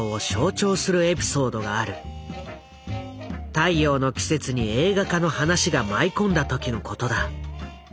「太陽の季節」に映画化の話が舞い込んだ時のことだ。